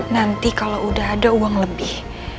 nanti kalau udah ada uang lebih